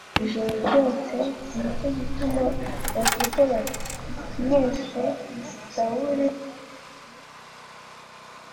ijoro ryose Ni cyo gituma bavuga bati mbese Sawuli na we ni umwana